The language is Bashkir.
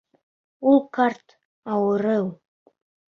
Ул ҡарт, ауырыу.